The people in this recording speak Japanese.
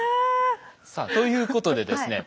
さあということでですね